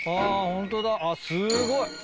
ホントだすごい！